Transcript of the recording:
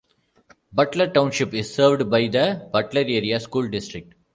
Butler Township is served by the Butler Area School District.